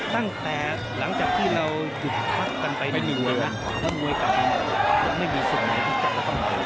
ตั้งแต่หลังจากที่เราหยุดพักกันไปหนึ่งเมื่อนะมันมวยกันมันไม่มีสิ่งไหนที่จะต้องมี